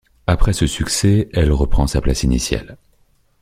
Après ce succès, elle reprend sa place initiale.